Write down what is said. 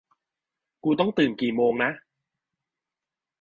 กูต้องตื่นกี่โมงนะ